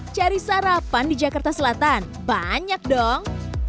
cari sarapan di jakarta selatan banyak dong